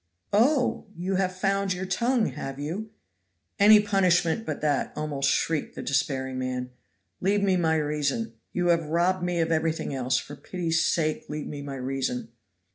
"Oh! you have found your tongue, have you?" "Any punishment but that," almost shrieked the despairing man. "Leave me my reason. You have robbed me of everything else. For pity's sake leave me my reason!"